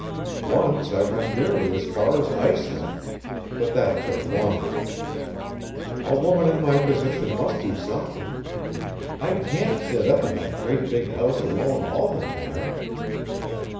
Once I went nearly as far as Iceland; but that took longer. A woman in my position must do something. I can't sit up in that great big house alone all the time."